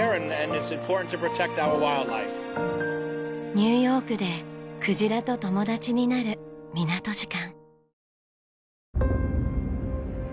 ニューヨークでクジラと友達になる港時間。